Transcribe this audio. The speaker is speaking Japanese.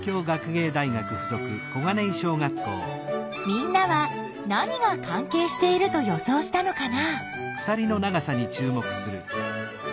みんなは何が関係していると予想したのかな？